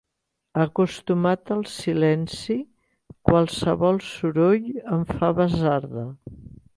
Acostumat al silenci, qualsevol soroll em fa basarda.